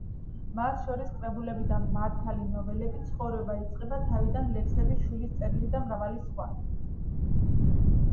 მათ შორის კრებულები „მართალი ნოველები“, „ცხოვრება იწყება თავიდან“, ლექსები „შვილის წერილი“ და მრავალი სხვა.